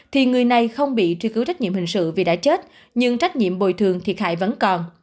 thì người này không bị truy cứu trách nhiệm hình sự vì đã chết nhưng trách nhiệm bồi thường thiệt hại vẫn còn